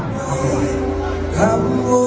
ไทยครับรักจะถึงใจเราไว้